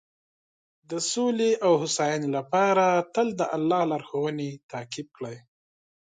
د سولې او هوساینې لپاره تل د الله لارښوونې تعقیب کړئ.